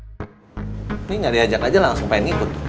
ini nggak diajak aja langsung pengen ngikut